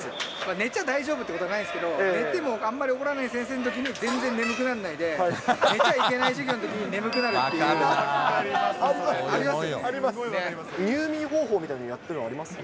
寝ちゃ大丈夫ってことないですけど、寝てもあんまり怒らない先生のときに、全然眠くなんないで、寝ちゃいけない授業のときに眠くありますよね。